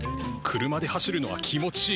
車で走るのは気持ちいい。